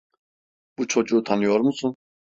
Bu çocuğu tanıyor musun?